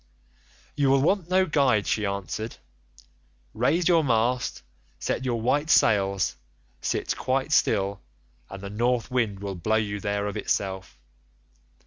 "'You will want no guide,' she answered; 'raise your mast, set your white sails, sit quite still, and the North Wind will blow you there of itself.